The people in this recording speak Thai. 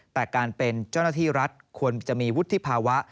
แต่การเป็นเจ้าหน้าที่รัฐควรจะมีวุฒิภาวะ